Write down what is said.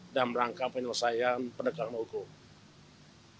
dalam rangka penyelesaian penegakan hukum